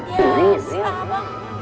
ya silah bang